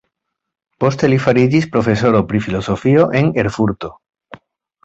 Poste li fariĝis profesoro pri filozofio en Erfurto.